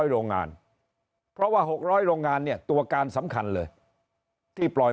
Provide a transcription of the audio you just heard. โรงงานเพราะว่า๖๐๐โรงงานเนี่ยตัวการสำคัญเลยที่ปล่อย